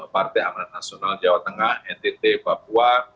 partai amanat nasional jawa tengah ntt papua